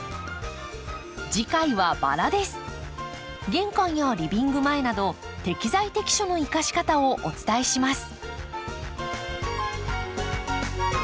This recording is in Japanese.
玄関やリビング前など適材適所の生かし方をお伝えします。